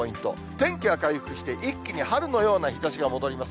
天気は回復して、一気に春のような日ざしが戻ります。